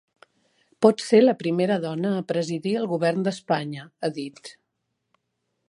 Pot ser la primera dona a presidir el govern d’Espanya, ha dit.